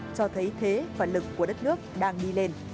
cho thấy thế và lực của đất nước đang đi lên